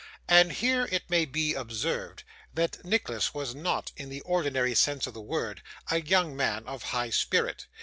And here it may be observed, that Nicholas was not, in the ordinary sense of the word, a young man of high spirit.